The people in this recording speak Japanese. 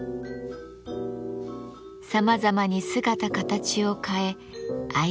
さまざまに姿形を変え愛される抹茶。